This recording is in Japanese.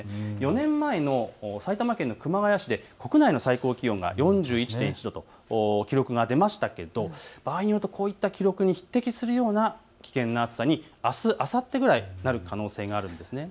４年前の埼玉県の熊谷市で国内の最高気温が４１．１度という記録が出ましたけれども場合によってはこういった記録に匹敵するような暑さにあす、あさってぐらいなる可能性があるんです。